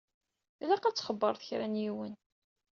Ilaq ad xebbṛeɣ kra n yiwen.